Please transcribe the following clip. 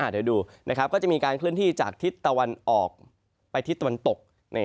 เดี๋ยวดูก็จะมีการเคลื่อนที่จากทิศตะวันออกไปทิศตะวันตก